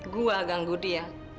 gua ganggu dia